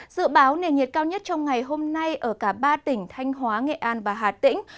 dự báo nền nhiệt cao nhất trong ngày hôm nay ở cả ba tỉnh thanh hóa nghệ an và hà tĩnh